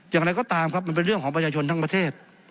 อย่างไรก็ตามครับมันเป็นเรื่องของประชาชนทั้งประเทศ